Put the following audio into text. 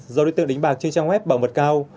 do đối tượng đánh bạc trên trang web bảo mật cao